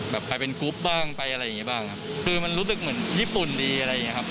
ไปเป็นกรุ๊ปบ้างไปอะไรอย่างงี้บ้างครับคือมันรู้สึกเหมือนญี่ปุ่นดีอะไรอย่างเงี้ครับ